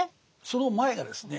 その前がですね